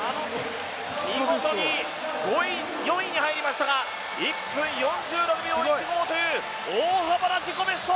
見事に４位に入りましたが１分４６秒１５という、大幅な自己ベスト！